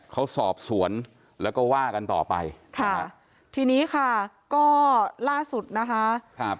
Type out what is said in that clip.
เขาสอบสวนแล้วก็ว่ากันต่อไปค่ะทีนี้ค่ะก็ล่าสุดนะคะครับ